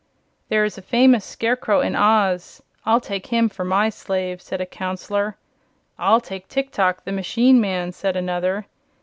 "There is a famous Scarecrow in Oz. I'll take him for my slave," said a counselor. "I'll take Tiktok, the machine man," said another.